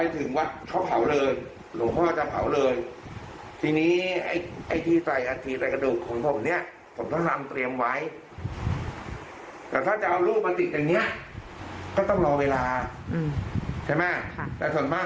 แต่ถ้าจะเอาลูกมาติดอย่างเนี้ยก็ต้องรอเวลาใช่ไหมแต่ส่วนมาก